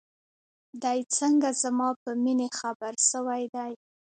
دى څنگه زما په مينې خبر سوى دى.